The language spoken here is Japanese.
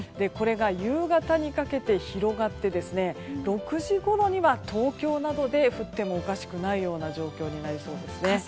これが夕方にかけて広がって６時ごろには東京などで降ってもおかしくないような状況になりそうですね。